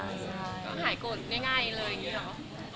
ก็หายโกรธง่ายเลยอย่างนี้เหรอ